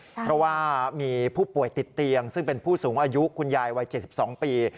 เพราะว่ามีผู้ป่วยติดเตียงซึ่งเป็นผู้สูงอายุคุณยายวัย๗๒ปี